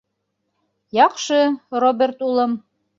Яҡшы, Роберт улым.